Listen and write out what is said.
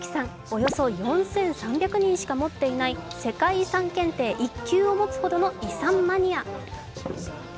およそ４３００人しか持っていない世界遺産検定１級を持つほどの遺産マニア。